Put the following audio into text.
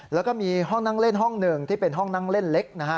แล้วก็มีห้องนั่งเล่นห้องหนึ่งที่เป็นห้องนั่งเล่นเล็กนะฮะ